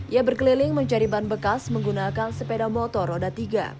ia berkeliling mencari ban bekas menggunakan sepeda motor roda tiga